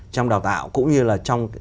trong đào tạo cũng như là